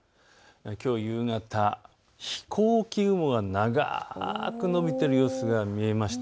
きょう夕方、飛行機雲が長く延びている様子が見えました。